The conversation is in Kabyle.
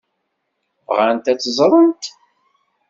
Bɣant ad tt-ẓrent?